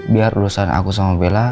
biar lulusan aku sama bella